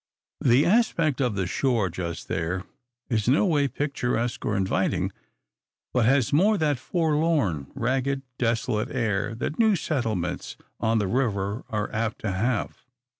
The aspect of the shore just there is no way picturesque or inviting, but has more that forlorn, ragged, desolate air that new settlements on the river are apt to have.